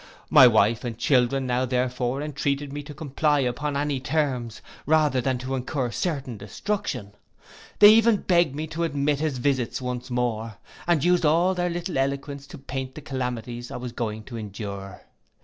My wife and children now therefore entreated me to comply upon any terms, rather than incur certain destruction. They even begged of me to admit his visits once more, and used all their little eloquence to paint the calamities I was going to endure.